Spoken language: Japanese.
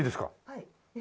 はい。